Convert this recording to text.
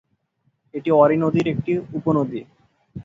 এটি অরে নদীর একটি উপনদী।